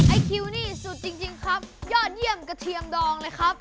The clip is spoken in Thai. ไอคิวนี่สุดจริงครับยอดเยี่ยมกระเทียมดองเลยครับ